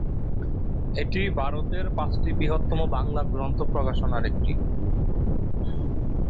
এটি ভারতের পাঁচটি বৃহত্তম বাংলা গ্রন্থ প্রকাশনার একটি।